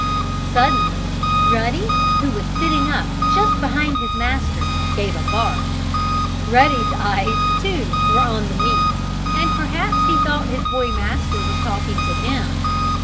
Suddenly Ruddy, who was sitting up just behind his master, gave a bark. Ruddy's eyes, too, were on the meat, and perhaps he thought his boy master was talking to him.